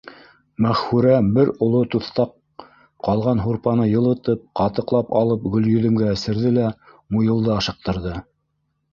Мәғфүрә бер оло туҫтаҡ ҡалған һурпаны йылытып, ҡатыҡлап алып Гөлйөҙөмгә эсерҙе лә Муйылды ашыҡтырҙы: